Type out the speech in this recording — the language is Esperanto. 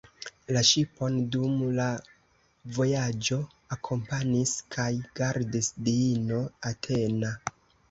La ŝipon dum la vojaĝo akompanis kaj gardis diino Atena.